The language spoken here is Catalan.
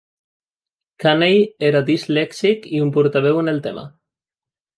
Cannell era dislèxic i un portaveu en el tema.